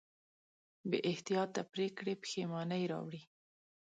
بېاحتیاطه پرېکړې پښېمانۍ راوړي.